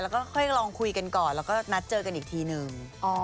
แล้วก็ค่อยลองคุยกันก่อนแล้วก็นัดเจอกันอีกทีนึง